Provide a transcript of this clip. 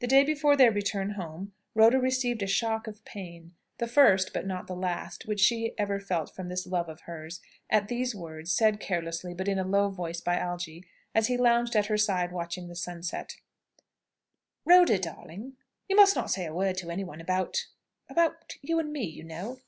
The day before their return home Rhoda received a shock of pain the first, but not the last, which she ever felt from this love of hers at these words, said carelessly, but in a low voice, by Algy, as he lounged at her side, watching the sunset: "Rhoda, darling, you must not say a word to any one about about you and me, you know."